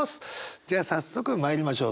じゃあ早速まいりましょう。